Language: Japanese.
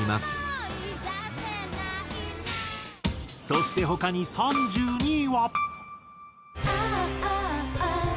そして他に３２位は。